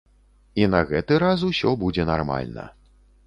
І на гэты раз усё будзе нармальна.